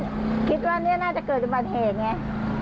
อุ้ยคิดว่านี้น่าจะเกิดปัญหาเหตุไง